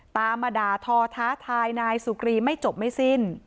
ตามมาด่าทอท้าทายนายสุกรีไม่จบไม่สิ้น